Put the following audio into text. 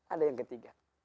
ada yang ketiga